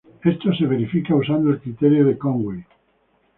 Esto se verifica usando el criterio de Conway.